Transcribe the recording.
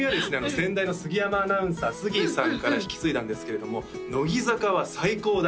先代の杉山アナウンサースギーさんから引き継いだんですけれども「乃木坂は最高だ」